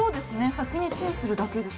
先にチンするだけで。